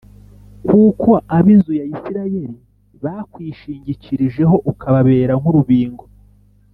Kuko ab inzu ya isirayeli bakwishingikirijeho ukababera nk urubingo